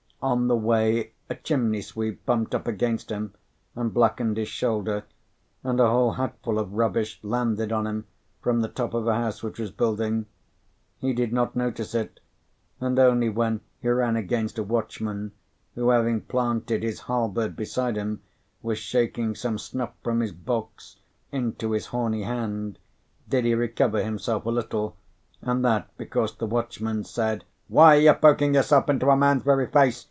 On the way, a chimney sweep bumped up against him, and blackened his shoulder, and a whole hatful of rubbish landed on him from the top of a house which was building. He did not notice it; and only when he ran against a watchman, who, having planted his halberd beside him, was shaking some snuff from his box into his horny hand, did he recover himself a little, and that because the watchman said, "Why are you poking yourself into a man's very face?